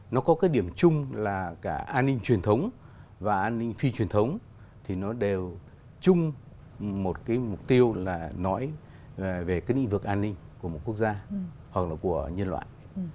nó có cái điểm chung là cả an ninh truyền thống và an ninh phi truyền thống thì nó đều chung một cái mục tiêu là nói về cái lĩnh vực an ninh của một quốc gia hoặc là của nhân loại